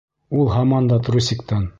Ул һаман да трусиктан.